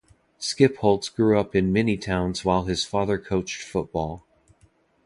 Skip Holtz grew up in many towns while his father coached football.